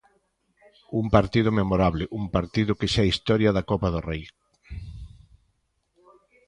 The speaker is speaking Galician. Un partido memorable, un partido que xa é historia da Copa do Rei.